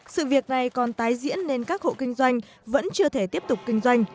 sự việc này còn tái diễn nên các hộ kinh doanh vẫn chưa thể tiếp tục kinh doanh